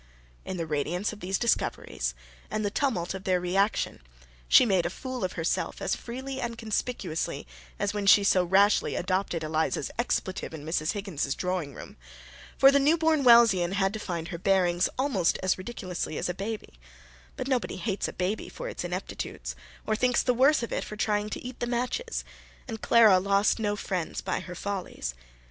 In the radiance of these discoveries, and the tumult of their reaction, she made a fool of herself as freely and conspicuously as when she so rashly adopted Eliza's expletive in Mrs. Higgins's drawing room; for the new born Wellsian had to find her bearings almost as ridiculously as a baby; but nobody hates a baby for its ineptitudes, or thinks the worse of it for trying to eat the matches; and Clara lost no friends by her follies.